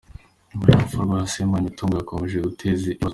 Nyuma y’urupfu rwa Ssemwanga imitungo yakomeje guteza ikibazo.